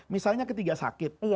misalnya ketiga sakit